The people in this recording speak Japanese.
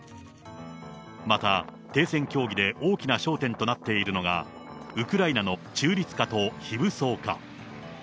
また停戦協議で大きな焦点となっているのが、ウクライナの中立化と非武装化。